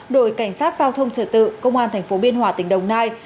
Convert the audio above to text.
đội cảnh sát giao thông trợ tự công an thành phố biên hòa tỉnh đồng nai